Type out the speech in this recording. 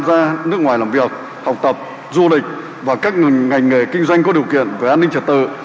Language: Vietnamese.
ra nước ngoài làm việc học tập du lịch và các ngành nghề kinh doanh có điều kiện về an ninh trật tự